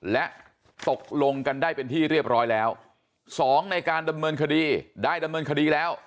และตกลงกันได้เป็นที่เรียบร้อยแล้วสองในการดำเนินคดีได้ดำเนินคดีแล้ว